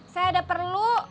saya ada perlu